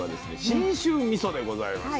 信州みそでございます。